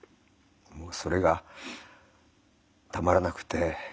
もうそれがたまらなくて。